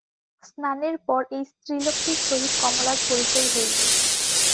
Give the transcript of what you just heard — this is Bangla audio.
স্নানের পর এই স্ত্রীলোকটির সহিত কমলার পরিচয় হইল।